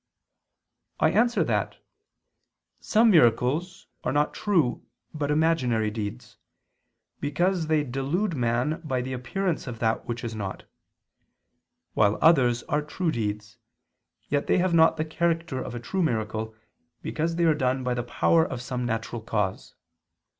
I answer that, Some miracles are not true but imaginary deeds, because they delude man by the appearance of that which is not; while others are true deeds, yet they have not the character of a true miracle, because they are done by the power of some natural cause.